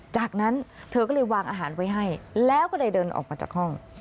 จากนั้นเธอก็เลยวางอาหารไว้ให้แล้วก็เลยเดินออกมาจากห้อง